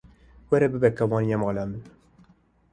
Were bibe kevaniya mala min.